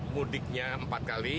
mudiknya empat kali